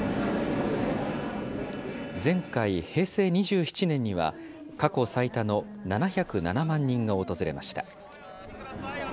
前回・平成２７年には過去最多の７０７万人が訪れました。